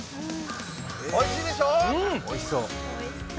おいしいでしょう？